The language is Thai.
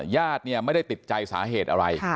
ญาติไม่ได้ติดใจสาเหตุอะไร